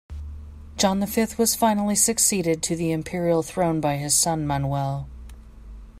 John the Fifth was finally succeeded to the imperial throne by his son Manuel.